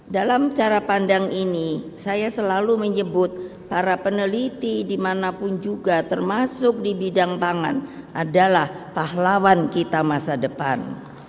dalam cara pandang ini saya selalu menyebut para peneliti dimanapun juga termasuk di bidang pangan adalah pahlawan kita masa depan